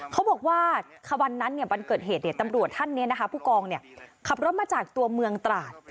เขาบอกว่าวันเกิดเหตุตำรวจท่านพุกองขับรถมาจากตัวเมืองตราด